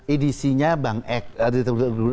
edisinya bank x